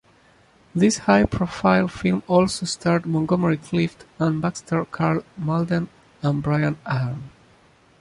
This high-profile film also starred Montgomery Clift, Anne Baxter, Karl Malden and Brian Aherne.